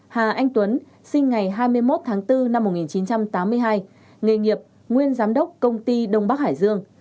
hà anh tuấn sinh ngày hai mươi một tháng bốn năm một nghìn chín trăm tám mươi hai nghề nghiệp nguyên giám đốc công ty đông bắc hải dương